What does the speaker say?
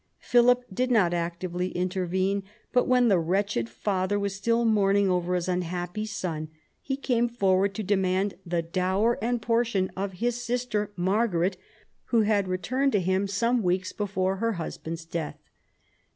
Philip did not actively intervene, but when the wretched father was still mourning over his unhappy son, he came forward to demand the dower and portion of his sister Margaret, who had returned to him some weeks before her husband's death.